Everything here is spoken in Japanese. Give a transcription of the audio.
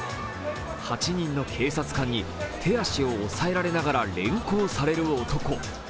８人の警察官に手足を押さえられながら連行される男。